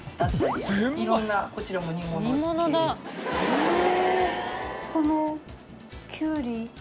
へえ！